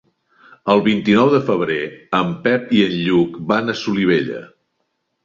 El vint-i-nou de febrer en Pep i en Lluc van a Solivella.